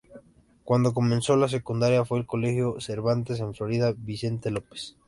Cuando comenzó la secundaria fue al Colegio Cervantes, en Florida, Vicente López.